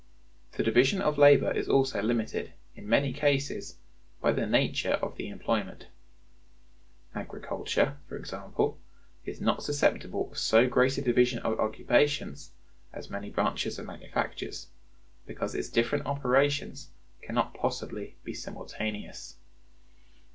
The division of labor is also limited, in many cases, by the nature of the employment. Agriculture, for example, is not susceptible of so great a division of occupations as many branches of manufactures, because its different operations can not possibly be simultaneous.